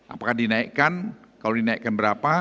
apakah dinaikkan kalau dinaikkan berapa